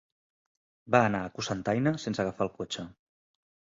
Va anar a Cocentaina sense agafar el cotxe.